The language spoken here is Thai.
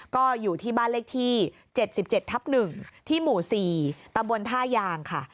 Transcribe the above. ก็อยู่ที่บ้านเลขที่๗๗ทับ๑ที่หมู่๔ตำบลท่ายางค่ะ